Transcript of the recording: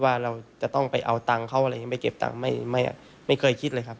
ว่าเราจะต้องไปเอาตังเค้าอะไรนี่ไปเก็บตังไม่เคยคิดเลย